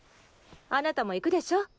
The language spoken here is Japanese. あなたも行くでしょ？